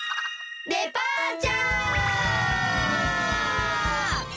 デパーチャー！